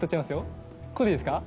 ここでいいですか？